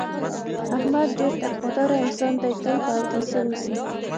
احمد ډېر تقوا داره انسان دی، تل په اوداسه اوسي.